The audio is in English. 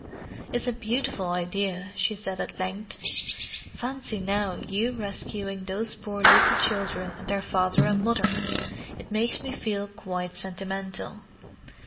"It's a beautiful idea," she said at length. "Fancy now, you rescuing those poor little children and their father and mother! It makes me feel quite sentimental.